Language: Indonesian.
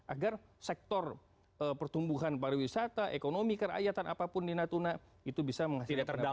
agar sektor pertumbuhan pariwisata ekonomi kerakyatan apapun di natuna itu bisa menghasilkan pendapatan